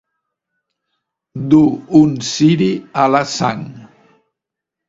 Dur un ciri a la Sang.